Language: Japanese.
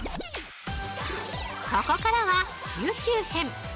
ここからは、中級編。